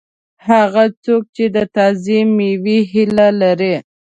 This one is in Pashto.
هغه څوک چې د تازه مېوې هیله لري.